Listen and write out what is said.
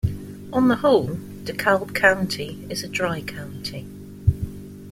On the whole, DeKalb County is a dry county.